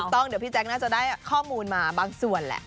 ต้องเดี๋ยวพี่แจ๊คน่าจะได้ข้อมูลมาบางส่วนแหละ